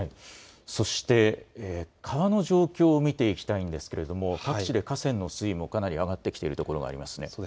そして川の状況を見ていきたいんですが各地で河川の水位がかなり上がってきている所がありますね。